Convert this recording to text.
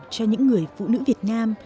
cho những người phụ nữ việt nam